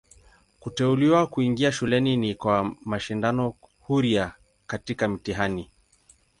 Kuteuliwa kuingia shuleni ni kwa mashindano huria katika mtihani.